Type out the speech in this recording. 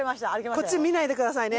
こっち見ないでくださいね。